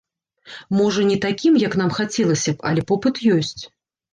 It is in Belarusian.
Можа, не такім, як нам хацелася б, але попыт ёсць.